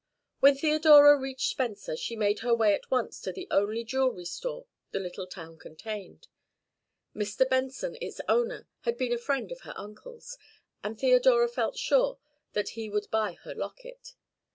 When Theodora reached Spencer she made her way at once to the only jewellery store the little town contained. Mr. Benson, its owner, had been a friend of her uncle's, and Theodora felt sure that he would buy her locket.